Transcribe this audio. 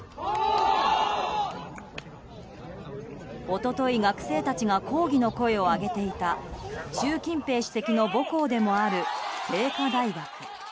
一昨日、学生たちが抗議の声を上げていた習近平主席の母校でもある清華大学。